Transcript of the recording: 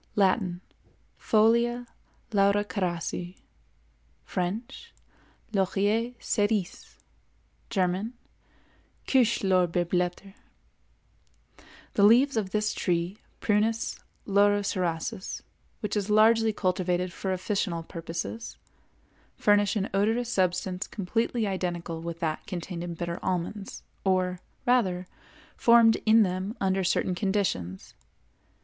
Latin—Folia Laurocerasi; French—Laurier cérise; German—Kirschlorbeerblätter. The leaves of this tree (Prunus Laurocerasus), which is largely cultivated for officinal purposes, furnish an odorous substance completely identical with that contained in bitter almonds, or, rather, formed in them under certain conditions.